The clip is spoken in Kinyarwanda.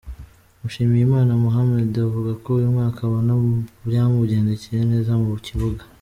Mushimiyimana Mohammed uvuga ko uyu mwaka abona byamugendekeye neza mu kibuga.